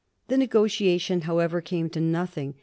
The nego tiation, however, came to nothing.